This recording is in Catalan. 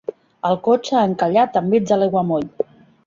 El cotxe ha encallat enmig de l'aiguamoll.